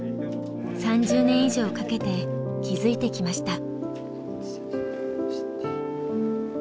３０年以上かけて築いてきました。